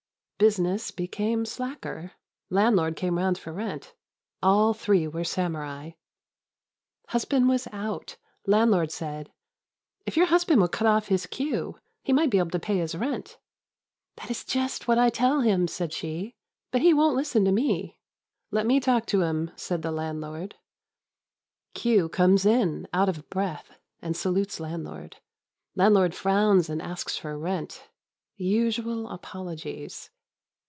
Business became slacker. Landlord came round for rent. All three were samurai. Husband was out. Landlord said, "If your husband would cut off his queue, he might be able to pay his rent!" "That is just what I tell him," said she, "but he won't Hsten to me." "Let me talk to him!" said the landlord. Queue comes in, out of breath, and salutes landlord. Landlord frowns and asks for rent. Usual apologies.